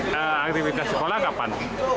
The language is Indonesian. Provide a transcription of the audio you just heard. jadi aktivitas sekolah kapan